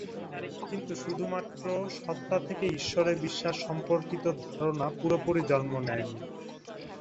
কিন্তু শুধুমাত্র সত্তা থেকে ঈশ্বরে বিশ্বাস সম্পর্কিত ধারণা পুরোপুরি জন্ম নেয় নি।